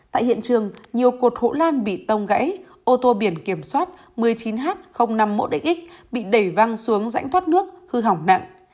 tại hiện trường nhiều cột hộ lan bị tông gãy ô tô biển kiểm soát một mươi chín h năm mươi một x bị đẩy văng xuống rãnh thoát nước hư hỏng nặng